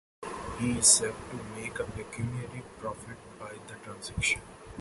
He is said to make a pecuniary profit by the transaction.